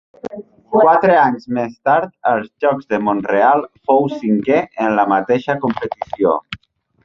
Quatre anys més tard, als Jocs de Mont-real, fou cinquè en la mateixa competició.